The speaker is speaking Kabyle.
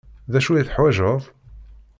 D acu ay teḥwajeḍ?